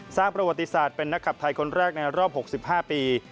สร้างประวัติศาสตร์เป็นนักขับไทยคนแรกในรอบ๖๕ปี